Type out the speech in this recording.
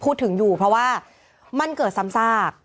พูดถึงอยู่เพราะว่ามันเกิดซ้ำซาก